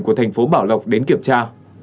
của thành phố bảo lộc đến kiểm tra